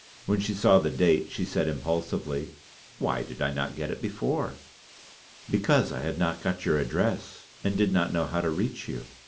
When she saw the date she said impulsively: "Why did I not get it before?" "Because I had not got your address, and did not know how to reach you."